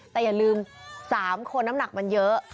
แต่อย่าลืม๓คนน้ำหนักมันเยอะ